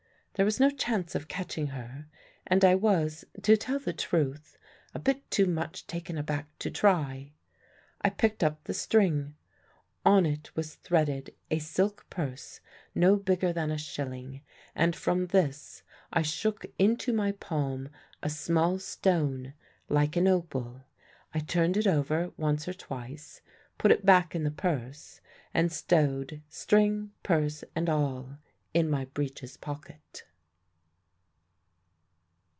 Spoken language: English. There was no chance of catching her, and I was (to tell the truth) a bit too much taken aback to try. I picked up the string. On it was threaded a silk purse no bigger than a shilling; and from this I shook into my palm a small stone like an opal. I turned it over once or twice, put it back in the purse, and stowed string, purse, and all in my breeches' pocket.